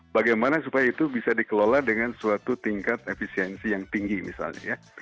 bagaimana supaya itu bisa dikelola dengan suatu tingkat efisiensi yang tinggi misalnya ya